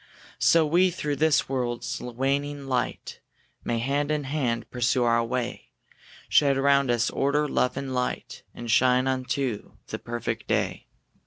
So we through this world's waning night May, hand in hand, pursue our way; Shed round us order, love, and light, And shine unto the perfect day.